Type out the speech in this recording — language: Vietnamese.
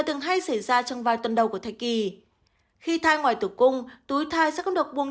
từng hay xảy ra trong vài tuần đầu của thời kỳ khi thai ngoài tử cung túi thai sẽ có được buông